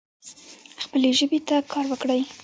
خپلي ژبي ته کار وکړئ.